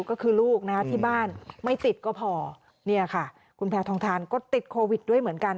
ก็คือลูกนะที่บ้านไม่ติดก็พอเนี่ยค่ะคุณแพทองทานก็ติดโควิดด้วยเหมือนกัน